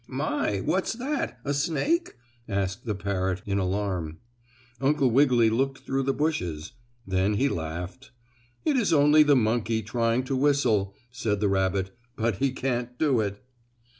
"My! What's that? A snake?" asked the parrot, in alarm. Uncle Wiggily looked through the bushes. Then he laughed. "It is only the monkey trying to whistle," said the rabbit, "but he can't do it."